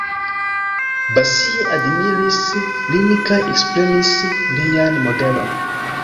Basie admiris lin kaj ekprenis lian modelon.